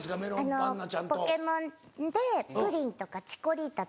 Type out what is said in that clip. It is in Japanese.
『ポケモン』でプリンとかチコリータとか。